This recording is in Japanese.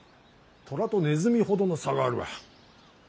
虎とネズミほどの差があるわ。